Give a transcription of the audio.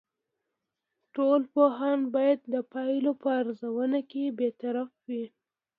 ټول پوهان باید د پایلو په ارزونه کې بیطرف وي.